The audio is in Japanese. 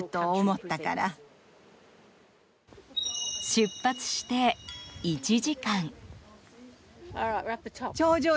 出発して１時間。